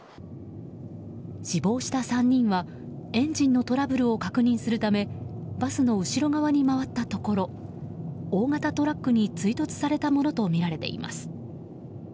死亡した３人はエンジンのトラブルを確認するためバスの後ろ側に回ったところ大型トラックに追突されたものとみられています。